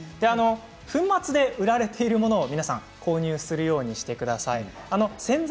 粉末で売られているものを購入するようにしてください。